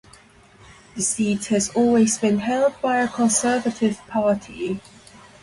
The seat has always been held by a conservative party.